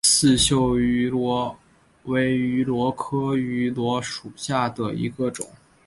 刺绣芋螺为芋螺科芋螺属下的一个种。